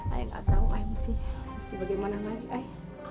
aku gak tahu aku mesti bagaimana lagi